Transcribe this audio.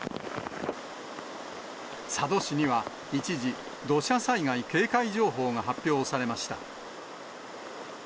佐渡市には一時、土砂災害警戒情報が発表されました。